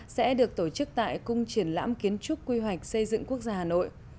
sẽ được tổ chức tại cung triển lãm kiến trúc quy hoạch xây dựng quốc gia hà nội